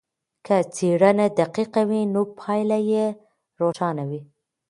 که څېړنه دقیقه وي نو پایله یې روښانه وي.